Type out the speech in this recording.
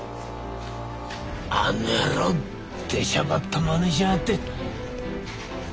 あの野郎出しゃばったまねしやがって。